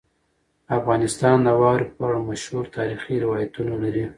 افغانستان د واورې په اړه مشهور تاریخي روایتونه لري.